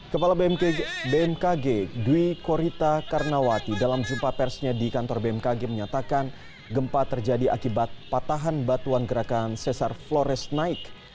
kepala bmkg dwi korita karnawati dalam jumpa persnya di kantor bmkg menyatakan gempa terjadi akibat patahan batuan gerakan sesar flores naik